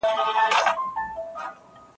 د ښاغلي رازمل زمان په ښکلي ږغ کي